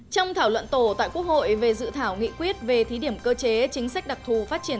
trong thảo luận tổ tại quốc hội về dự thảo nghị quyết về thí điểm cơ chế chính sách đặc thù phát triển